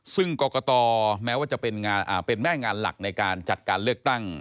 ซึ่งกรกตแม้ว่าจะเป็นแม่งานหลักในการจัดการเลือกตั้ง